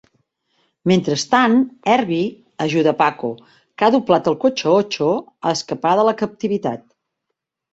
Mentrestant, Herbie ajuda a Paco, que ha doblat el cotxe "Ocho", a escapar de la captivitat.